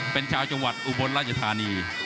เป็นชาวจังหวัดอุบลราชธานี